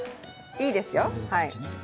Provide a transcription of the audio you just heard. いいですよ。